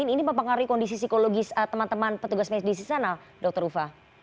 ini mempengaruhi kondisi psikologis teman teman petugas medis di sana dr ufa